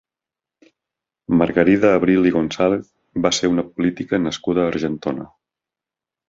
Margarida Abril i Gonzàlez va ser una política nascuda a Argentona.